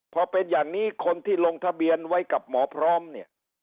พอเป็นอย่างนี้คนที่ลงทะเบียนไว้กับหมอพร้อมเนี่ย